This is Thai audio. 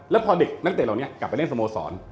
แล้วพอเด็กนักเตะเหล่านี้กลับไปเล่นสโมสร